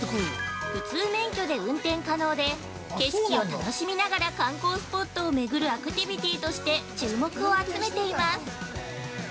普通免許で運転可能で、景色を楽しみながら観光スポットをめぐるアクティビティとして注目を集めています。